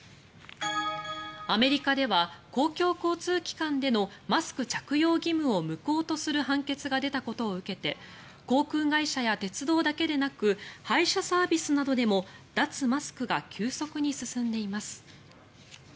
アメリカでは公共交通機関でのマスク着用義務を無効とする判決が出たことを受けて航空会社や鉄道だけでなく配車サービスなどでも脱マスクが急速に進んでいます。